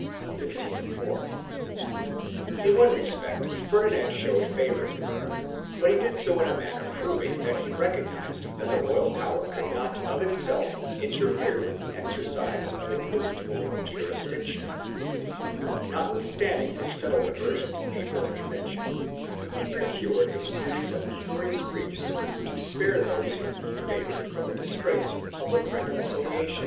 2 In one respect Ferdinand showed favoritism, but he did so in a manner proving that he recognized that the royal power could not of itself interfere with the exercise of inquisitorial jurisdiction. Notwithstanding his settled aversion to papal intervention, he procured a series of curious briefs to spare those whom he favored from the disgrace of public reconciliation and 1 Archive de Simancas, Inquisicion, Libro 3, fol.